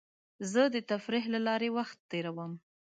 زه د تفریح له لارې وخت تېرووم.